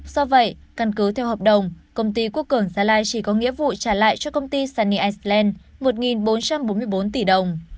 do vậy căn cứ theo hợp đồng công ty quốc cường gia lai chỉ có nghĩa vụ trả lại cho công ty sunny iceland một bốn trăm bốn mươi bốn tỷ đồng